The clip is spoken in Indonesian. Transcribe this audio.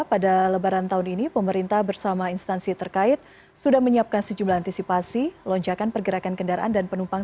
pada lebaran tahun ini pemerintah bersama instansi terkait sudah menyiapkan sejumlah antisipasi lonjakan pergerakan kendaraan dan penumpang